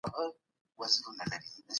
که جرم وسي پولیس سمدستي سیمي ته ورځي.